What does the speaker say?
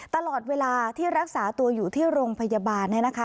ตลอดเวลาที่รักษาตัวอยู่ที่โรงพยาบาลเนี่ยนะคะ